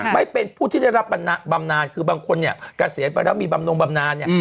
ไม่เป็นผู้ที่ได้รับบำนานคือบางคนเนี่ยเกษียณไปแล้วมีบำนงบำนานเนี่ย